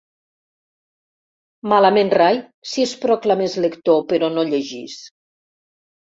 Malament rai, si es proclamés lector però no llegís!